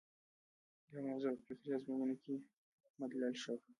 دا موضوع په فکري ازموینو کې مدلل شوه.